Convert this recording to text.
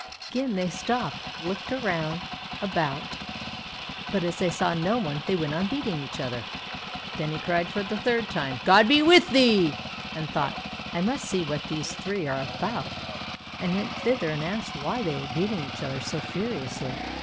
Again they stopped, looked round about, but as they saw no one they went on beating each other. Then he cried for the third time, "God be with ye," and thought, "I must see what these three are about," and went thither and asked why they were beating each other so furiously.